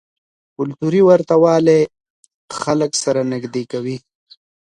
کلتوري ورته والی خلک سره نږدې کوي.